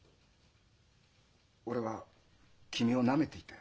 俺は君をなめていたよ。